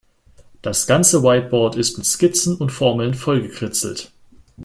Das ganze Whiteboard ist mit Skizzen und Formeln vollgekritzelt.